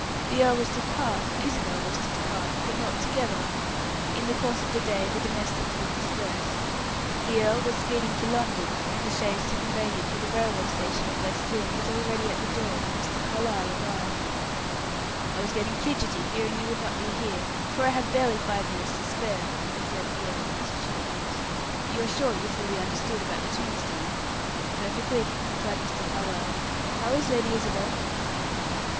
The earl was to depart, and Isabel was to depart, but not together. In the course of the day the domestics would disperse. The earl was speeding to London, and the chaise to convey him to the railway station at West Lynne was already at the door when Mr. Carlyle arrived. "I was getting fidgety fearing you would not be here, for I have barely five minutes to spare," observed the earl, as he shook hands. "You are sure you fully understood about the tombstone?" "Perfectly," replied Mr. Carlyle. "How is Lady Isabel?"